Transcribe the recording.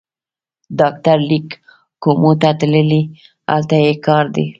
ډاکټر لېک کومو ته تللی، هلته یې کار دی.